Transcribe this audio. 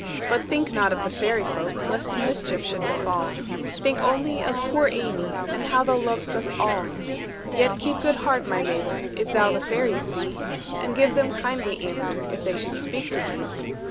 "But think not of the fairy folk, Lest mischief should befall; Think only of poor Amy, And how thou lov'st us all. "Yet keep good heart, my Mabel, If thou the fairies see, And give them kindly answer If they should speak to thee.